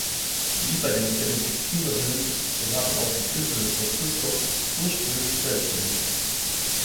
Wie bei den Benediktinerinnen, so waren auch die Klöster der Zwartzusters ursprünglich selbständig.